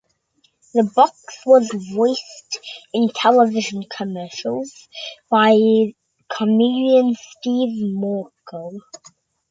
The box was voiced in television commercials by comedian Steve Mackall.